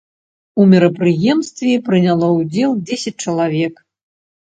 У мерапрыемстве прыняло ўдзел дзесяць чалавек.